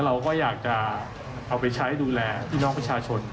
เราก็อยากจะเอาไปใช้ดูแลพี่น้องประชาชน